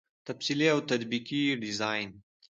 تفصیلي او تطبیقي ډيزاين